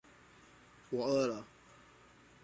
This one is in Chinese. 我饿了